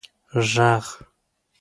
ږغ